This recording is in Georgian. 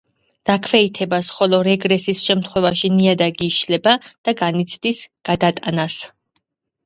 დაქვეითებას, ხოლო რეგრესის შემთვევაში ნიადაგი იშლება და განიცდის გადატანას.